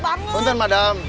bantuin bantuin madam